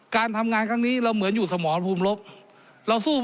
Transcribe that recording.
การทำงานครั้งนี้เราเหมือนอยู่สมรภูมิลบเราสู้